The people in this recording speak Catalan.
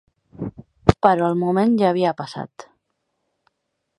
Però el moment ja havia passat.